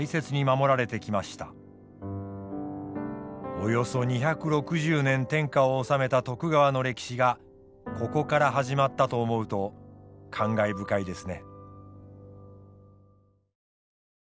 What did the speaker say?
およそ２６０年天下を治めた徳川の歴史がここから始まったと思うと感慨深いですね。